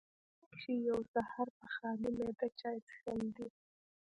پۀ دې کښې يو سحر پۀ خالي معده چائے څښل دي